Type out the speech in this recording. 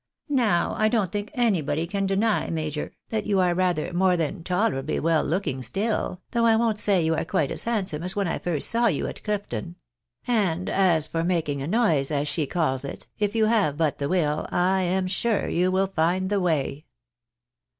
Now I don't think anybody can 316 THE BARNABYS IN AMERICA. deny, major, that you are rather more than tolerably well looking still, though I won't say you are quite as handsome as when I first saw you at Chfton ; and as for making a noise, as she calls it, if you have but the will, I am sure you will find the way."